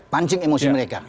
pancing emosi mereka